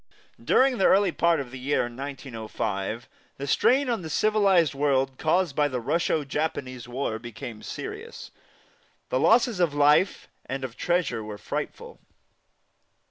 During the early part of the year 1905, the strain on the civilized world caused by the Russo Japanese War became serious. The losses of life and of treasure were frightful.